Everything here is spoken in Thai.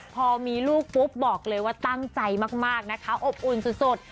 พอมีลูกปุ๊บบอกเลยว่าตั้งใจมากนะคะอบอุ่นสุด